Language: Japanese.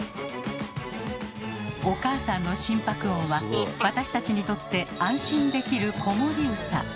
お母さんの心拍音は私たちにとって安心できる子守歌。